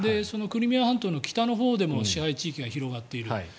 そのクリミア半島の北のほうでも支配地域が広がっている。